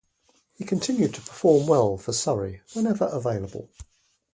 He continued to perform well for Surrey whenever available.